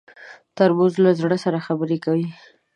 ترموز له زړه سره خبرې کوي.